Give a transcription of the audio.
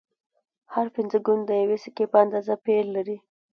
هر پنځه ګون د یوې سکې په اندازه پیر لري